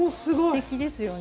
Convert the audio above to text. すてきですよね。